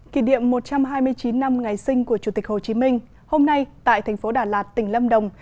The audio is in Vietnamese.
kỷ niệm một trăm hai mươi chín năm ngày sinh của chủ tịch hồ chí minh hôm nay tại thành phố đà lạt tỉnh lâm đồng